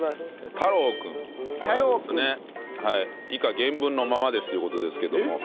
太郎くん。以下原文のままですという事ですけども。